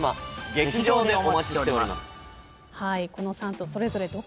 劇場でお待ちしております。